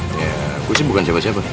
ya aku sih bukan cewek cewek